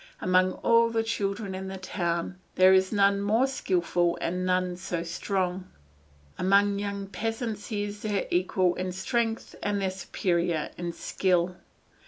Among all the children in the town there is none more skilful and none so strong. Among young peasants he is their equal in strength and their superior in skill.